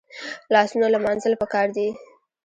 لاسونه لمانځل پکار دي